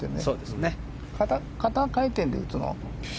肩回転で打つの？